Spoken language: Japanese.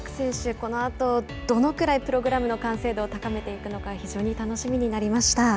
このあとどのくらい完成度を高めていくのか非常に楽しみになりました。